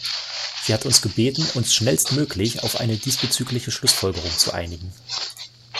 Sie hat uns gebeten, uns schnellstmöglich auf eine diesbezügliche Schlussfolgerung zu einigen.